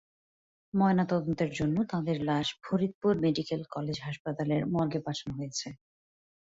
ময়নাতদন্তের জন্য তাঁদের লাশ ফরিদপুর মেডিকেল কলেজ হাসপাতালের মর্গে পাঠানো হয়েছে।